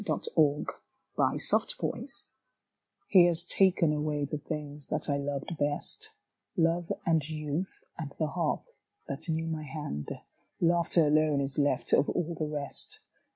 Vigils THE GIFT He has taken away the things that I loved best Love and youth and the harp that knew my hand. Laughter alone Is left of all the rest.